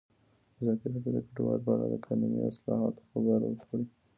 ازادي راډیو د کډوال په اړه د قانوني اصلاحاتو خبر ورکړی.